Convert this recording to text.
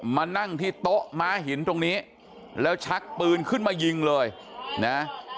มานั่งที่โต๊ะม้าหินตรงนี้แล้วชักปืนขึ้นมายิงเลยนะ